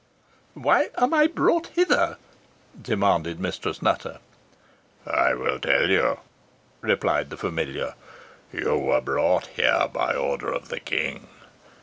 "Why am I brought hither?" demanded Mistress Nutter. "I will tell you," replied the familiar. "You were brought here by order of the King.